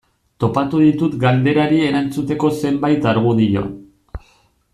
Topatu ditut galderari erantzuteko zenbait argudio.